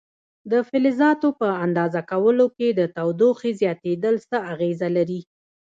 د فلزاتو په اندازه کولو کې د تودوخې زیاتېدل څه اغېزه لري؟